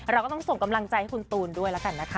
เราก็ต้องส่งกำลังใจให้คุณตูนด้วยแล้วกันนะคะ